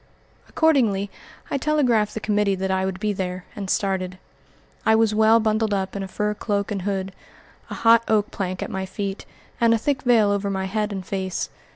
Accordingly I telegraphed the committee that I would be there, and started. I was well bundled up in a fur cloak and hood, a hot oak plank at my feet, and a thick veil over my head and face.